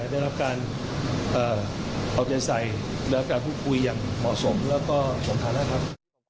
ได้รับการเอาเจ็ดใสได้รับการคุยอย่างเหมาะสมแล้วก็ส่งธาระครับ